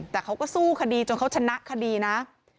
แต่เขาก็สู้คดีจนเขาชนะคดีนะ